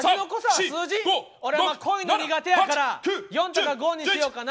俺は濃いの苦手やから４とか５にしようかな。